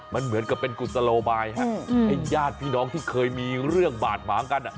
มันเหมือนกับเป็นกุศโลบายให้ญาติพี่น้องที่เคยมีเรื่องบาดหมางกัน